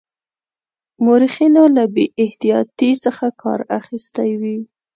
مورخینو له بې احتیاطی څخه کار اخیستی وي.